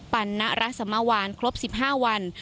ปันนะรัศมวานครบ๑๕วัน